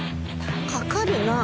かかるなあ。